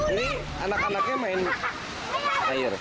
ini anak anaknya main air